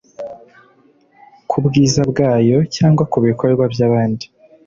kubwiza bwayo cyangwa kubikorwa byabandi